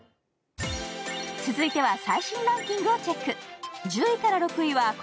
続いては最新ランキングをチェック。